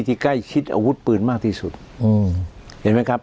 ที่ใกล้ชิดอาวุธปืนมากที่สุดอืมเห็นไหมครับ